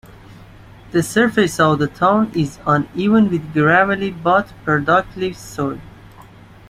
The surface of the town is uneven with gravelly but productive soil.